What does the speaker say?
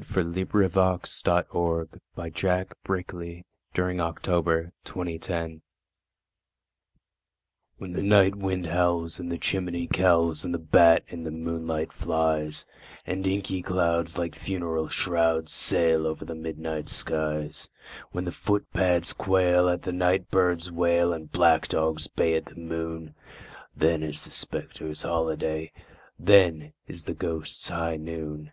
But then, unhappily, I'm not thy bride! THE GHOSTS' HIGH NOON WHEN the night wind howls in the chimney cowls, and the bat in the moonlight flies, And inky clouds, like funeral shrouds, sail over the midnight skies— When the footpads quail at the night bird's wail, and black dogs bay the moon, Then is the spectres' holiday—then is the ghosts' high noon!